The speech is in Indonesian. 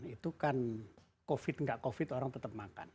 itu kan covid sembilan belas tidak covid sembilan belas orang tetap makan